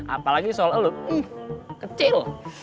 apalagi soal elu kecil